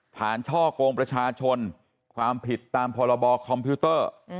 ช่อกงประชาชนความผิดตามพรบคอมพิวเตอร์